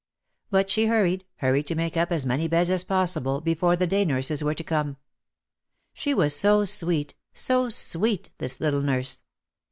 But she hurried, hurried to make up as many beds as possible before the day nurses were to come. She was so sweet, so sweet, this little nurse.